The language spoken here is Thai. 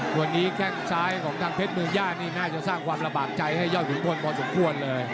วันนี้แข้งซ้ายของทางเพชรเมืองย่านี่น่าจะสร้างความระบากใจให้ยอดขุนพลพอสมควรเลย